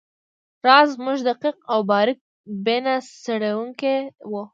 راز زموږ دقیق او باریک بینه څیړونکی وو